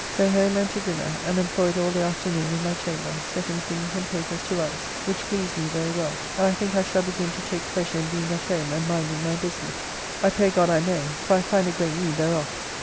So home and to dinner, and employed all the afternoon in my chamber, setting things and papers to rights, which pleased me very well, and I think I shall begin to take pleasure in being at home and minding my business. I pray God I may, for I find a great need thereof.